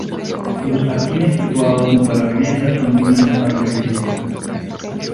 Los jardines situados junto a la vivienda son de una notable belleza.